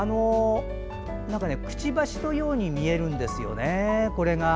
くちばしのように見えるんですよね。